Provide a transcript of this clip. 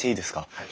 はい。